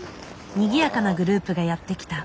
にぎやかなグループがやって来た。